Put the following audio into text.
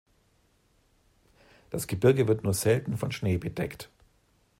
Das Gebirge wird nur selten von Schnee bedeckt.